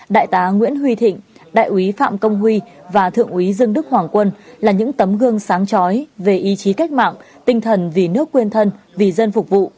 đại tá nguyễn huy thịnh đại úy phạm công huy và thượng úy dương đức hoàng quân là những tấm gương sáng trói về ý chí cách mạng tinh thần vì nước quên thân vì dân phục vụ